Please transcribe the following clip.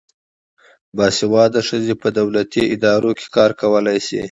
باسواده ښځې په دولتي ادارو کې کار کولای شي.